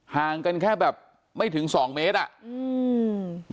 ห่างกันแค่แบบไม่ถึงสองเมตรอ่ะอืม